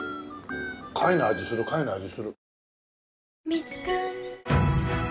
貝の味する貝の味する。